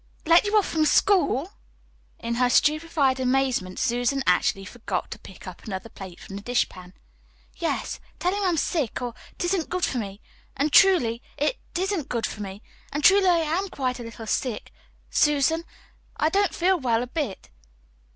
"Let you off from school!" In her stupefied amazement Susan actually forgot to pick up another plate from the dishpan. "Yes. Tell him I'm sick, or 't isn't good for me. And truly, 't isn't good for me. And truly, I am quite a little sick, Susan. I don't feel well a bit.